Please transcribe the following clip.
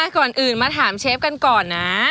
ก่อนอื่นมาถามเชฟกันก่อนนะ